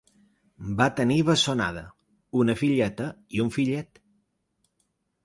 Va tenir bessonada: una filleta i un fillet